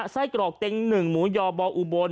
ไส้กรอกเต็ง๑หมูยอบออุบล